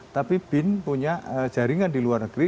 tapi bin punya jaringan di luar negeri